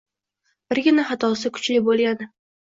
Birgina xatosi kuchli boʻlgani.